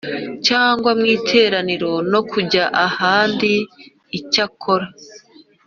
cyangwa mu itorero no kujya ahandi Icyakora